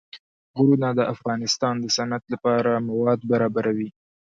غرونه د افغانستان د صنعت لپاره مواد برابروي.